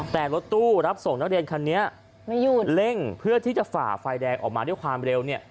แต่รถตู้รับส่งนักเรียนคันนี้ไม่หยุดเร่งเพื่อที่จะฝ่าไฟแดงออกมาด้วยความเร็วเนี่ย